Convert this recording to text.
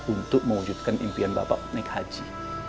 untuk mewujudkan impian bapak naik haji